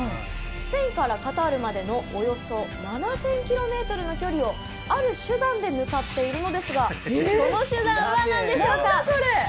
スペインからカタールまでのおよそ７０００ｋｍの距離をある手段で向かっているのですがその手段はなんでしょうか。